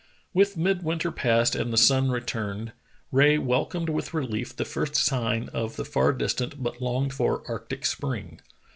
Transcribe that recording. With midwinter past and the sun returned, Rae wel comed with relief the first sign of the far distant but longed for arctic spring.